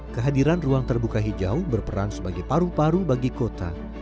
kehadiran ruang terbuka hijau berperan sebagai paru paru bagi kota